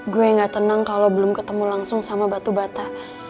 gue gak tenang kalau belum ketemu langsung sama batu bata